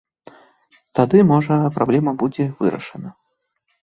Тады, можа, праблема будзе вырашана.